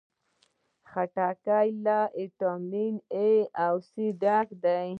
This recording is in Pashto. خټکی له ویټامین A او C ډکه ده.